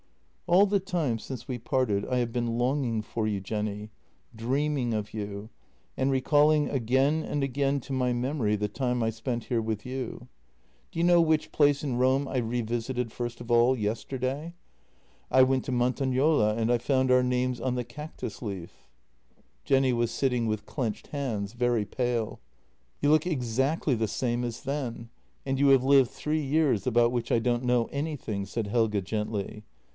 " All the time since we parted I have been longing for you, Jenny, dreaming of you, and recalling again and again to my memory the time I spent here with you. Do you know which 288 JENNY place in Rome I revisited first of all — yesterday ? I went to Montagnola and I found our names on the cactus leaf." Jenny was sitting with clenched hands, very pale. " You look exactly the same as then, and you have lived three years about which I don't know anything," said Helge gently.